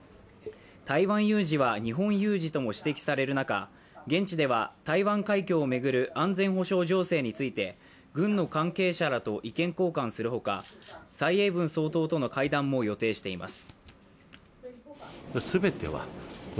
台湾有事は日本有事とも指摘される中、現地では台湾海峡を巡る安全保障情勢について軍の関係者らと意見交換するほか、蔡英文総統との会談も予定しています。